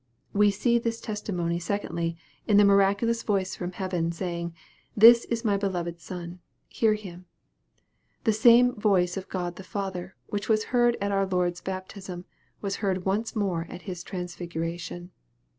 We see this testimony, secondly, in the miraculous voice from heaven, saying, " This is my beloved Son : hear Him." The same voice of God the Father, which was heard at our Lord's baptism, was heard once more at His transfiguration.